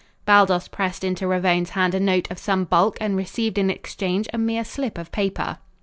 Baldos pressed into Ravone's hand a note of some bulk and received in exchange a mere slip of paper.